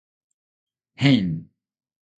Hein.